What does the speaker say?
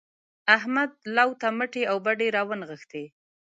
احمد لو ته مټې او بډې راونغښتې.